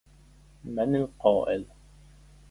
من القائل؟